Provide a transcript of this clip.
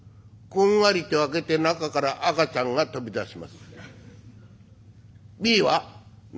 「こんがりと焼けて中から赤ちゃんが飛び出します」。